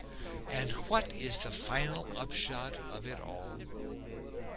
And what is the final upshot of it all?